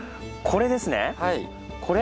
これです。